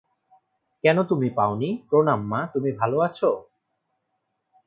কেন তুমি পাওনি, প্রণাম মা, তুমি ভালো আছো।